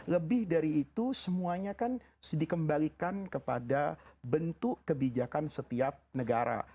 lebih dari itu semuanya kan dikembalikan kepada bentuk kebijakan setiap negara